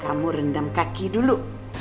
kamu rendam kaki dulu